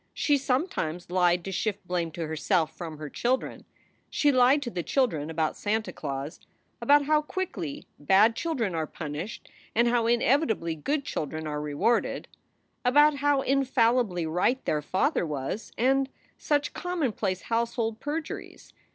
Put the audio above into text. She sometimes lied to shift blame to herself from her children. She lied to the children about Santa Claus, about how quickly bad children are punished and how inevitably good children are rewarded; about how infallibly right their father was, and such commonplace household perjuries.